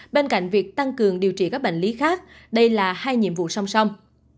bên cạnh việc tăng cường điều trị các bệnh lý khác đây là hai nhiệm vụ song song